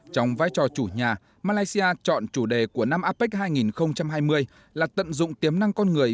trong vai trò chủ nhà malaysia chọn chủ đề của năm apec hai nghìn hai mươi là tận dụng tiềm năng con người